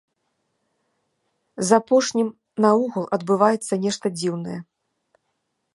З апошнім наогул адбываецца нешта дзіўнае.